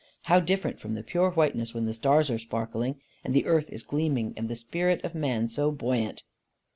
How different from the pure whiteness when the stars are sparkling, and the earth is gleaming, and the spirit of man so buoyant!